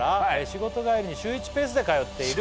「仕事帰りに週１ペースで通っている」